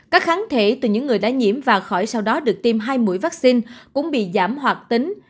các kháng thể từ những người đã nhiễm và khỏi sau đó được tiêm hai mũi vaccine cũng bị giảm hoạt tính